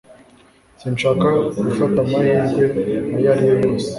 Sinshaka gufata amahirwe ayo ari yo yose